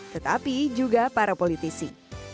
tetapi juga para polisi